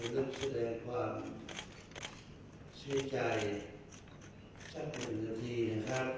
และแสดงความเสียใจสักหนึ่งนาทีครับ